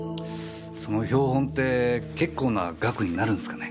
その標本って結構な額になるんですかね？